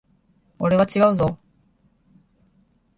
俺は違うぞ。